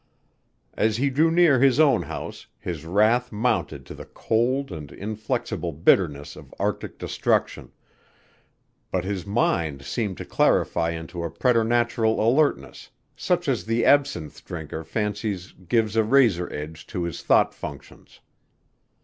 As he drew near his own house his wrath mounted to the cold and inflexible bitterness of arctic destruction, but his mind seemed to clarify into a preternatural alertness such as the absinthe drinker fancies gives a razor edge to his thought functions.